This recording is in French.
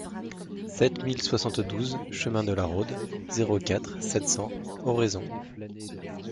sept mille soixante-douze chemin de la Rhôde, zéro quatre, sept cents, Oraison